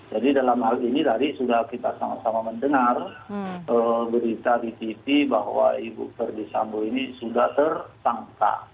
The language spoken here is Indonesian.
jadi dalam hal ini tadi sudah kita sama sama mendengar berita di tv bahwa ibu ferdi sambu ini sudah tertangka